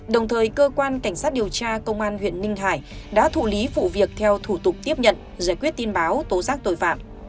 đồng thời cơ quan cảnh sát điều tra công an huyện ninh hải đã thụ lý vụ việc theo thủ tục tiếp nhận giải quyết tin báo tố giác tội phạm